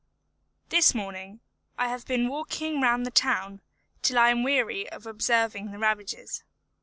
This morning I have been walking round the town, till I am weary of observing the ravages.